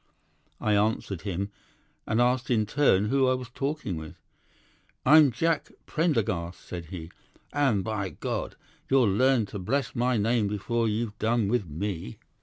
"'I answered him, and asked in turn who I was talking with. "'"I'm Jack Prendergast," said he, "and by God! You'll learn to bless my name before you've done with me."